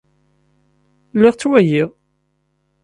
Lliɣ ttwaliɣ.